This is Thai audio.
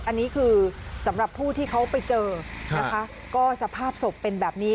อันนี้คือสำหรับผู้ที่เขาไปเจอนะคะก็สภาพศพเป็นแบบนี้